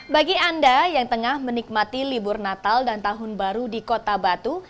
bagi anda yang tengah menikmati libur natal dan tahun baru di kota batu